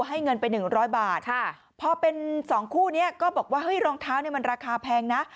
ให้เงินไป๑๐๐บาทพอเป็นสองคู่นี้ก็บอกว่าเฮ้ยรองเท้าเนี่ยมันราคาแพงนะ